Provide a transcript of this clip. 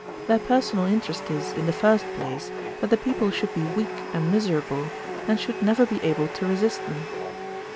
Their personal interest is, in the first place, that the people should be weak and miserable, and should never be able to resist them.